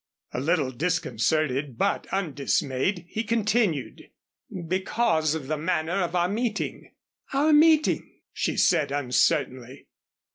A little disconcerted but undismayed, he continued: "Because of the manner of our meeting." "Our meeting!" she said uncertainly.